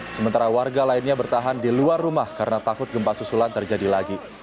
sementara warga lainnya bertahan di luar rumah karena takut gempa susulan terjadi lagi